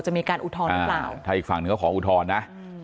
จะมีการอุทธรณฑ์หรือเปล่าถ้าอีกฝั่งก็ขออุทธอนนะ